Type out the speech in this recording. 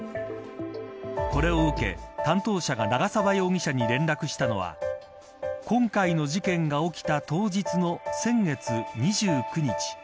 これを受け担当者が長沢容疑者に連絡したのは今回の事件が起きた当日の先月２９日。